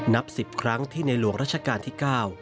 นับสิบครั้งที่ในหลวงราชการที่เก้า